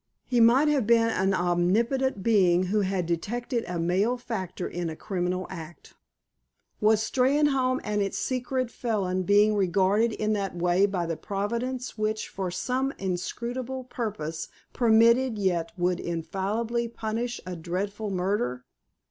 He might have been an omnipotent being who had detected a malefactor in a criminal act. Was Steynholme and its secret felon being regarded in that way by the providence which, for some inscrutable purpose, permitted, yet would infallibly punish, a dreadful murder?